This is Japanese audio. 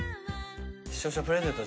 視聴者プレゼント。